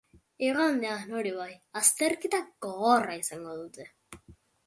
Igandean, hori bai, azterketa gogorra izango dute.